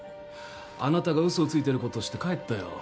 あなたが嘘をついていることを知って帰ったよ。